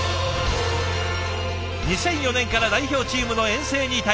２００４年から代表チームの遠征に帯同。